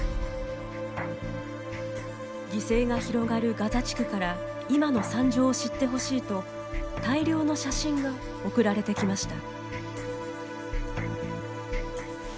犠牲が広がるガザ地区から今の惨状を知ってほしいと大量の写真が送られてきました。